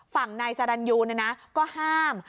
ฝั่งนายสะดันยูนะนะก็ห้าม